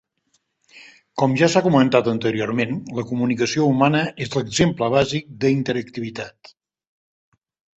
Com ja s'ha comentat anteriorment, la comunicació humana és l'exemple bàsic d'interactivitat.